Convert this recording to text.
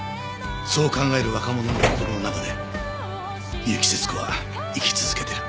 そう考える若者の心の中で結城節子は生き続けてる。